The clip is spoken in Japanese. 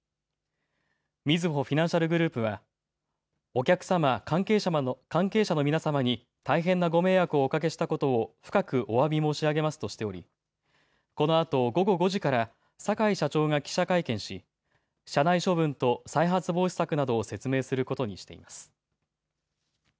みずほフィナンシャルグループはお客様、関係者の皆様に大変なご迷惑をおかけしたことを深くおわび申し上げますとしておりこのあと午後５時から坂井社長が記者会見し社内処分と再発防止策などを説明することにしています。